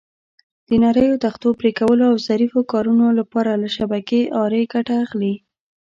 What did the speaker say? د نریو تختو پرېکولو او ظریفو کارونو لپاره له شبکې آرې ګټه اخلي.